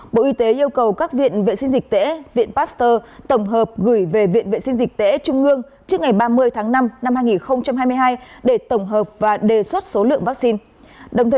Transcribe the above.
bộ y tế yêu cầu các viện vệ sinh dịch tễ viện pasteur tổng hợp gửi về viện vệ sinh dịch tễ trung ương trước ngày ba mươi tháng năm năm hai nghìn hai mươi hai để tổng hợp và đề xuất số lượng vaccine